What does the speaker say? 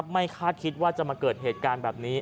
คาดคิดว่าจะมาเกิดเหตุการณ์แบบนี้